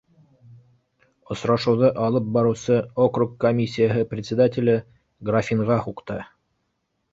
Осрашыуҙы алып барыусы округ комиссияһы председателе графинға һуҡты: